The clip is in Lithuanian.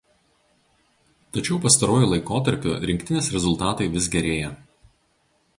Tačiau pastaruoju laikotarpiu rinktinės rezultatai vis gerėja.